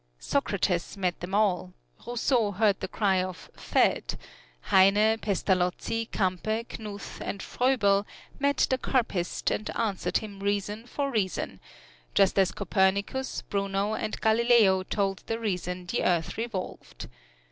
Socrates met them all; Rousseau heard the cry of "fad"; Heyne, Pestalozzi, Campe, Knuth and Froebel met the carpist and answered him reason for reason, just as Copernicus, Bruno and Galileo told the reason the earth revolved.